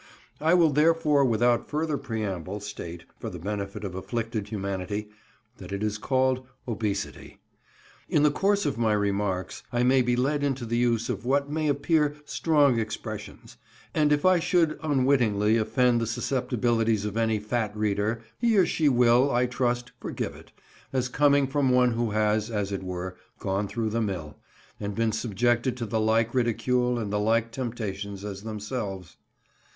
I will therefore without further preamble state, for the benefit of afflicted humanity, that it is called "obesity." In the course of my remarks I may be led into the use of what may appear strong expressions; and if I should unwittingly offend the susceptibilities of any fat reader, he or she will, I trust, forgive it, as coming from one who has, as it were, gone through the mill, and been subjected to the like ridicule and the like temptations as themselves.